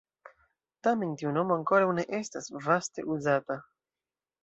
Tamen, tiu nomo ankoraŭ ne estas vaste uzata.